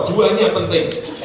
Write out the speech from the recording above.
dua ini yang penting